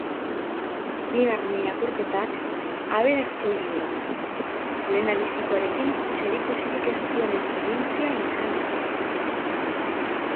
Bigarren irakurketak aberastu egiten du, lehendabizikoarekin zerikusirik ez duen esperientzia izan liteke.